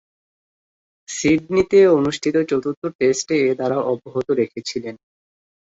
সিডনিতে অনুষ্ঠিত চতুর্থ টেস্টে এ ধারা অব্যাহত রেখেছিলেন।